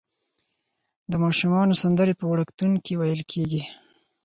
د ماشومانو سندرې په وړکتون کې ویل کیږي.